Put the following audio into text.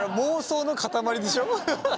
妄想の塊でしょ。